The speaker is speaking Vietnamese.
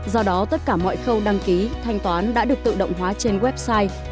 do đó tất cả mọi khâu đăng ký thanh toán đã được tự động hóa trên website